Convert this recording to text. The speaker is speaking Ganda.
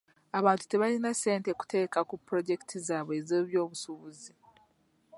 Abantu tebalina ssente kuteeka ku pulojekiti zaabwe ez'eby'obusuubuzi.